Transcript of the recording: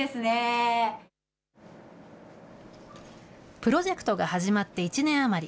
プロジェクトが始まって１年余り。